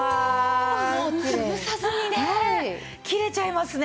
もう潰さずにね切れちゃいますね。